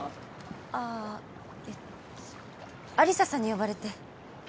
あえっと有沙さんに呼ばれて。